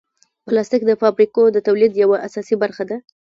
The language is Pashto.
پلاستيک د فابریکو د تولید یوه اساسي برخه ده.